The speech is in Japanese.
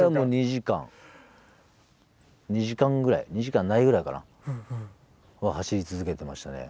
２時間２時間ぐらい２時間ないぐらいかな？は走り続けてましたね。